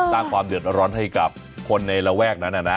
สร้างความเดือดร้อนให้กับคนในระแวกนั้น